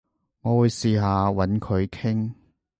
我會試下搵佢傾